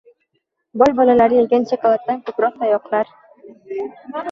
Boy bolalari yegan shokoladdan ko'proq tayoqlar...